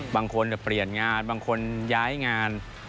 บางคนเปลี่ยนงานบางคนย้ายงาน